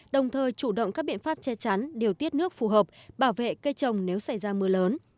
đồng thời chủ động các biện pháp che chắn điều tiết nước phù hợp bảo vệ cây trồng nếu xảy ra mưa lớn